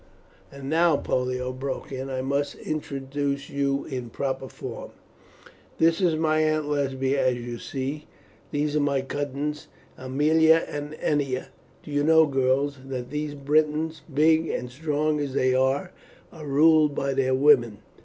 "And now," Pollio broke in, "I must introduce you in proper form. This is my Aunt Lesbia, as you see; these are my cousins Aemilia and Ennia. Do you know, girls, that these Britons, big and strong as they are, are ruled by their women.